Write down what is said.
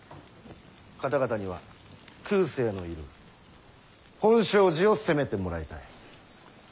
方々には空誓のいる本證寺を攻めてもらいたい。